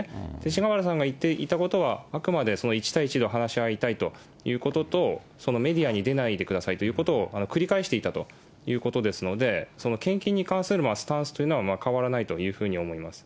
勅使河原さんが言っていたことは、あくまで１対１で話し合いたいということと、メディアに出ないでくださいということを繰り返していたということですので、献金に関するスタンスというのは、変わらないというふうに思います。